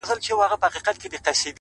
• له غلیمه سو بېغمه کار یې جوړ سو,